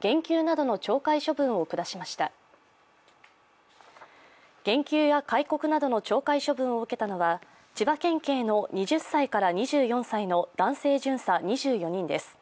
減給や戒告などの懲戒処分を受けたのは千葉県警の２０歳から２４歳の男性巡査２４人です。